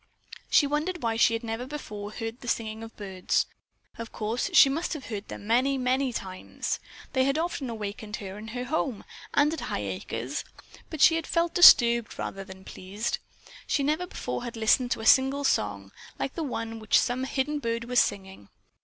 She wondered why she had never before heard the singing of birds. Of course, she must have heard them many, many times. They had often awakened her in her home, and at Highacres, but she had felt disturbed rather than pleased. She never before had listened to a single song, like the one which some hidden bird was singing.